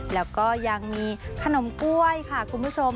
แล้วก็ยังมีขนมกล้วยค่ะคุณผู้ชม